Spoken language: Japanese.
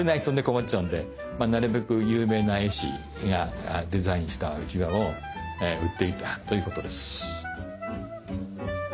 困っちゃうんでなるべく有名な絵師がデザインしたうちわを売っていたということです。